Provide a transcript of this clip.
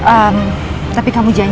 eh ini udah